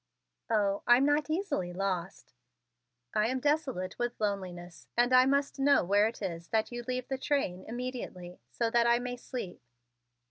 "Oh, I'm not easily lost." "I am desolated with loneliness and I must know where it is that you leave the train, immediately, so that I may sleep."